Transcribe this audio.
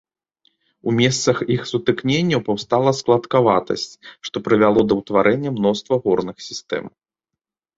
У месцах іх сутыкненняў паўстала складкаватасць, што прывяло да ўтварэння мноства горных сістэм.